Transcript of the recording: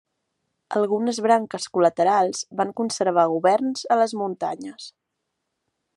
Algunes branques col·laterals van conservar governs a les muntanyes.